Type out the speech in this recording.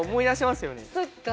そっか。